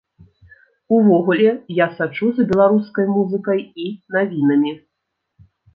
Увогуле я сачу за беларускай музыкай і навінамі.